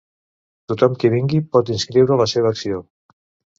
Tothom qui vulgui, pot inscriure la seva acció.